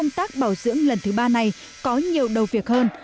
nhưng lần thứ ba này có nhiều đầu việc hơn